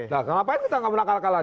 nah kenapa kita tidak main akal akalan